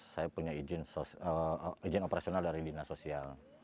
dua ribu lima belas saya punya izin operasional dari dinas sosial